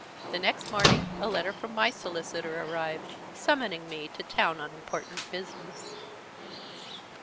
The next morning a letter from my solicitor arrived, summoning me to town on important business.